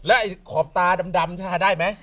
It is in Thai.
และอีกขอบตาดำเธอได้ไหม